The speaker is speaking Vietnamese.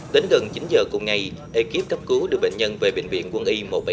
đến gần chín giờ cùng ngày ekip cấp cứu đưa bệnh nhân về bệnh viện quân y một trăm ba mươi